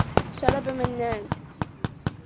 شرب منّاد.